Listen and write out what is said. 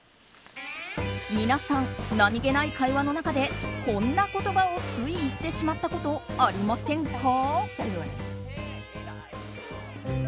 皆さん、何気ない会話の中でこんな言葉をつい言ってしまったことありませんか？